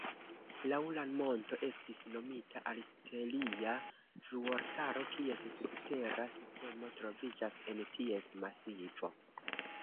Laŭ la monto estis nomita artileria fuortaro, kies subtera sistemo troviĝas en ties masivo.